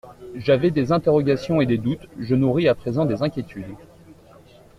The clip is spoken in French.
J’avais des interrogations et des doutes, je nourris à présent des inquiétudes.